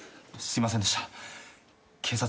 すいませんでした！